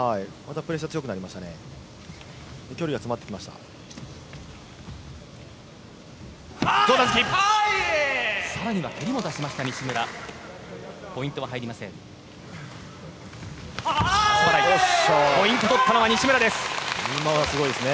プレッシャーが強くなりましたね。